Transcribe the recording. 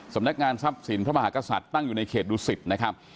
สำนักงานทรัพย์สินพระมหากษัตริย์ตั้งอยู่ในเขตดุสิตนะครับ